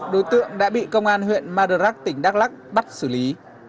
đối tượng đã bị công an huyện madurak tỉnh đắk lắc bắt xử lý